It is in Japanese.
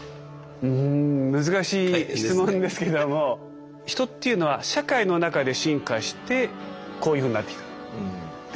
うん難しい質問ですけども人っていうのは社会の中で進化してこういうふうになってきた。